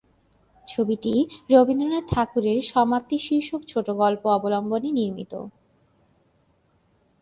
ছবিটি রবীন্দ্রনাথ ঠাকুরের "সমাপ্তি" শীর্ষক ছোটোগল্প অবলম্বনে নির্মিত।